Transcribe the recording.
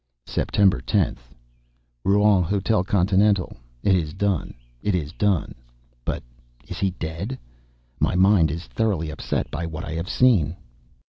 September 10th. Rouen, Hotel Continental. It is done; ... it is done ... but is he dead? My mind is thoroughly upset by what I have seen.